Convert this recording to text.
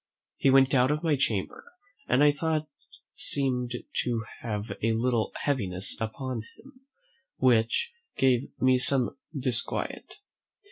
He went out of my chamber, and I thought seemed to have a little heaviness upon him, which gave me some disquiet.